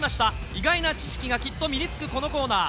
意外な知識がきっと身につくこのコーナー。